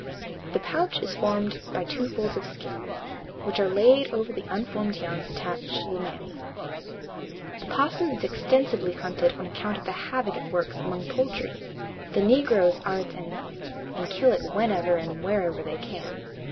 The pouch is formed by two folds of skin, which are laid over the unformed young attached to the mammae. The opossum is extensively hunted on account of the havoc it works among poultry. The negroes are its enemies, and kill it whenever and wherever they can.